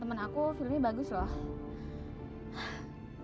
filmnya bagus lho